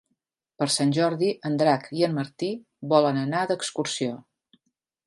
Per Sant Jordi en Drac i en Martí volen anar d'excursió.